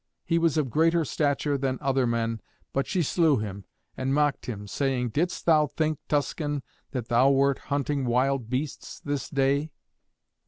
He was of greater stature than other men, but she slew him, and mocked him, saying, "Didst thou think, Tuscan, that thou wert hunting wild beasts this day?